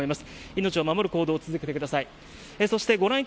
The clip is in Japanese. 命を守る行動を続けてください。